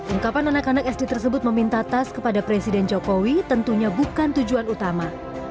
ungkapan anak anak sd tersebut meminta tas kepada presiden jokowi tentunya bukan tujuan utama